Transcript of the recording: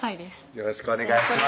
よろしくお願いします